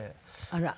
あら。